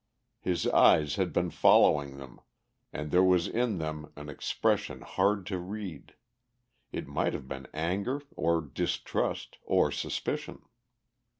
His eyes had been following them, and there was in them an expression hard to read. It might have been anger or distrust or suspicion.